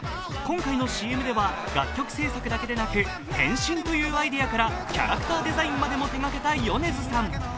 今回のＣＭでは楽曲制作だけでなく、変身というアイデアからキャラクターデザインまでも手がけた米津さん。